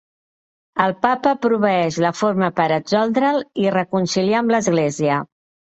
El Papa proveeix la forma per absoldre'l i reconciliar amb l'Església.